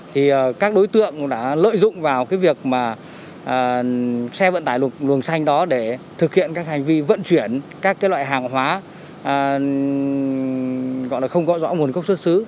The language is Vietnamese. thì các đối tượng đã lợi dụng vào cái việc mà xe vận tải luồng xanh đó để thực hiện các hành vi vận chuyển các cái loại hàng hóa gọi là không gõ nguồn gốc xuất xứ